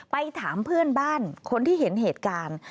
ไปถามเพื่อนบ้านคนที่เห็นเหตุการณ์